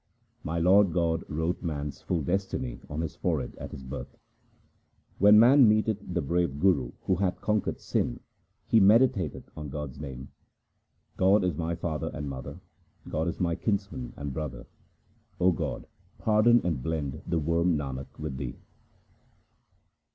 My Lord God wrote man's full destiny on his forehead at his birth. When man meeteth the brave Guru who hath conquered sin, he meditateth on God's name. God is my father and mother, God is my kinsman and brother. O God, pardon and blend the worm Nanak with Thee.